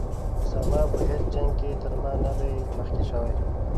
اسامه په هیڅ جنګ کې تر ما نه دی مخکې شوی.